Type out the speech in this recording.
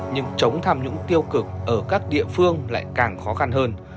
nhưng chống tham nhũng tiêu cực ở các địa phương lại càng khó khăn hơn